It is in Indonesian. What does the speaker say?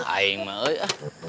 aing malah ya